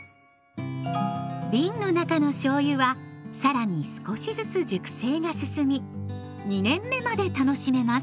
瓶の中のしょうゆは更に少しずつ熟成が進み２年目まで楽しめます。